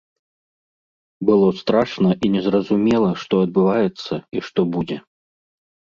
Было страшна і незразумела, што адбываецца і што будзе.